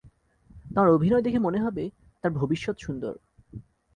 তাঁর অভিনয় দেখে মনে হবে, তাঁর ভবিষ্যৎ সুন্দর।